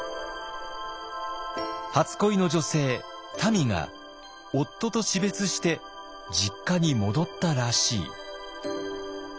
初恋の女性たみが夫と死別して実家に戻ったらしい。